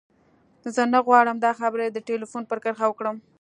زه نه غواړم دا خبرې د ټليفون پر کرښه وکړم.